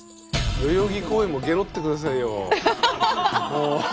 代々木公園もゲロってくださいよ。